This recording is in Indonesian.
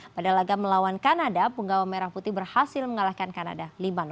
pada laga melawan kanada penggawa merah putih berhasil mengalahkan kanada lima